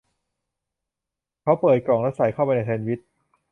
เขาเปิดกล่องและใส่เข้าไปในแซนด์วิช